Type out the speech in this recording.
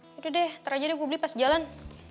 yaudah deh ntar aja gue beli pas jalan